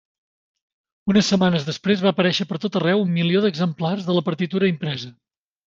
Unes setmanes després va aparèixer pertot arreu un milió d'exemplars de la partitura impresa.